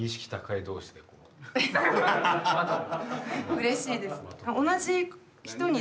うれしいです。